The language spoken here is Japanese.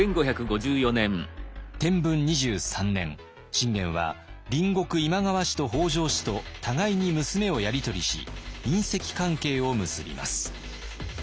信玄は隣国今川氏と北条氏と互いに娘をやり取りし姻戚関係を結びます。